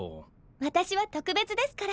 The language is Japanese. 私は特別ですから。